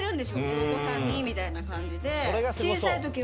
お子さんにみたいな感じで。